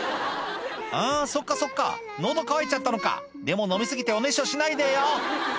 あぁそっかそっか喉渇いちゃったのかでも飲み過ぎておねしょしないでよ